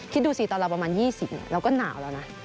คิดดูสิตอนเราประมาณ๒๐เราก็หนาวแล้วนะ